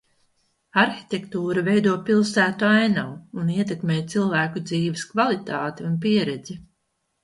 Arhitektūra veido pilsētu ainavu un ietekmē cilvēku dzīves kvalitāti un pieredzi.